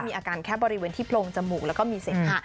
มีอาการแค่บริเวณที่โพรงจมูกแล้วก็มีเสมหะ